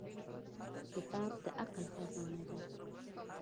• کتاب د عقل خزانه ده.